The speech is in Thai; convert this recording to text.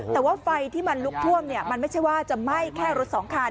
แต่ว่าไฟที่มันลุกท่วมมันไม่ใช่ว่าจะไหม้แค่รถสองคัน